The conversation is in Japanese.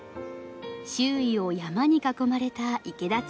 周囲を山に囲まれた池田町。